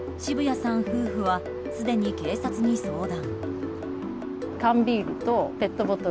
渋谷さん夫婦はすでに警察に相談。